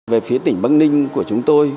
về phía tỉnh bắc ninh của chúng tôi